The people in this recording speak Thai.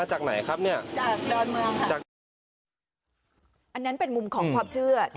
อันนั้นเป็นมุมของความเชื่อ